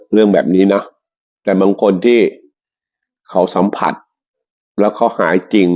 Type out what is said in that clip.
เรื่องแบบนี้เนอะแต่บางคนที่เขาสัมผัสแล้วเขาหายจริง